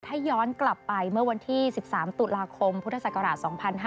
ถ้าย้อนกลับไปเมื่อวันที่๑๓ตุลาคมพุทธศักราช๒๕๕๙